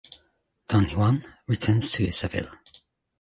Don Juan returns to Seville.